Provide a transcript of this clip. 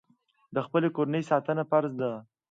د خپلې کورنۍ ساتنه فرض ده.